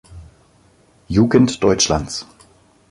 Jugend Deutschlands.